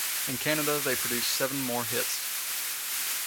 In Canada they produced seven more hits.